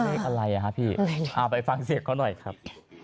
ไม่เป็นไรค่ะพี่พาไปฟังเสียงเขาหน่อยครับ